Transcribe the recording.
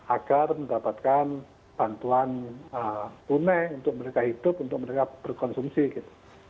agar mendapatkan bantuan tunai untuk mereka hidup untuk mereka berkonsumsi gitu